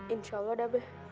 insya allah dabe